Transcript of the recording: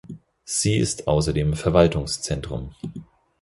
Sie ist außerdem Verwaltungszentrum.